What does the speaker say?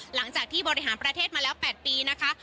หลังจากที่บริหารประเทศมาแล้ว๘ปีนะคะ